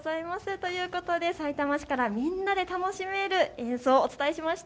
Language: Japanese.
ということで、さいたま市からみんなで楽しめる演奏をお伝えしました。